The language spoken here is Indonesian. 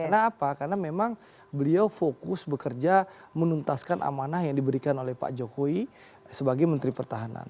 karena apa karena memang beliau fokus bekerja menuntaskan amanah yang diberikan oleh pak jokowi sebagai menteri pertahanan